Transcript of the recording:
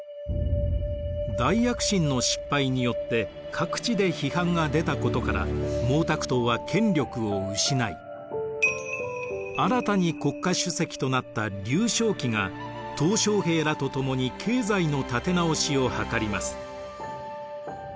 「大躍進」の失敗によって各地で批判が出たことから毛沢東は権力を失い新たに国家主席となった劉少奇が小平らと共に経済の立て直しを図ります。